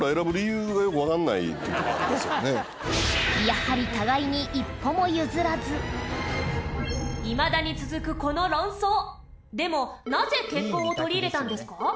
やはり、互いに一歩も譲らずいまだに続く、この論争でも、なぜ結婚を取り入れたんですか？